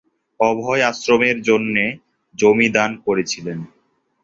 অভয় আশ্রমের জন্যে জমি দান করেছিলেন।